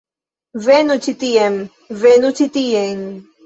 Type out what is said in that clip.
Venu ĉi tien. Venu ĉi tien.